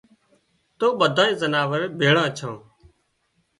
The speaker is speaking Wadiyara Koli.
تو ٻڌانئي زناوۯ ڀيۯان ڇان